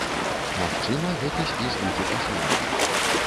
Магчыма, гэты спіс будзе пашыраны.